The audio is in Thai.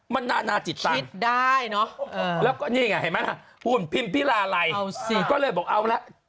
มันน่าจิตตันแล้วก็นี่ไงเห็นไหมนะขุนพิมพิลาลัยก็เลยบอกเอาละ